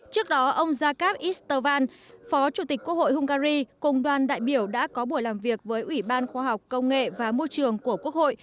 trước đó ông jakarv istervan phó chủ tịch quốc hội hungary cùng đoàn đại biểu đã có buổi làm việc với ủy ban khoa học công nghệ và môi trường của quốc hội